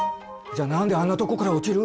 じゃあ何であんなとこから落ちる。